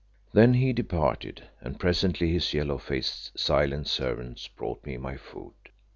Then he departed, and presently his yellow faced, silent servants brought me my food.